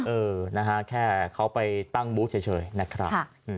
เออนะฮะแค่เขาไปตั้งบูธเฉยนะครับ